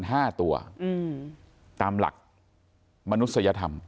ห้าตัวอืมตามหลักมนุษยธรรม